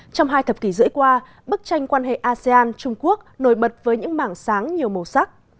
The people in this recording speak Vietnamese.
trong hai thập kỷ rưỡi qua bức tranh quan hệ asean trung quốc nổi bật với những mảng sáng nhiều màu sắc